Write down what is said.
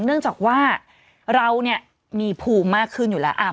เนื่องจากว่าเราเนี่ยมีภูมิมากขึ้นอยู่แล้ว